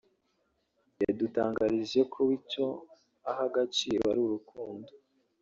yadutangarije ko we icyo aha agaciro ari urukundo